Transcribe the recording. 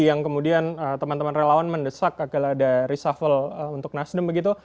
yang kemudian teman teman relawan mendesak akan ada reshuffle untuk nasdem begitu